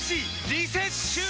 リセッシュー！